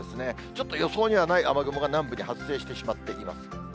ちょっと予想にはない雨雲が南部に発生してしまっています。